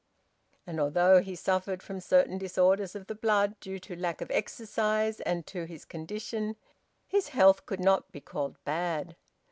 And although he suffered from certain disorders of the blood due to lack of exercise and to his condition, his health could not be called bad.